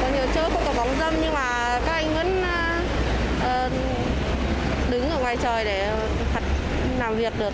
có nhiều chơi cũng có bóng dâm nhưng mà các anh vẫn đứng ở ngoài trời để thật làm việc được